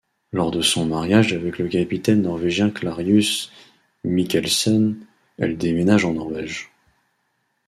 Lors de son mariage avec le capitaine norvégien Klarius Mikkelsen, elle déménage en Norvège.